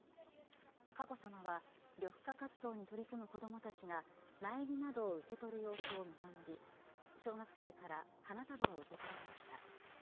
佳子さまは緑化活動に取り組む子どもたちが苗木などを受け取る様子を見守り小学生から花束を受け取られました。